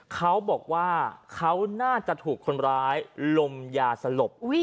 เขาบอกว่าเขาน่าจะถูกคนร้ายลมยาสลบ